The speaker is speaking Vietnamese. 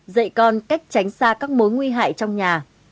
dạy con cách tránh xa các mối nguy hại trong nhà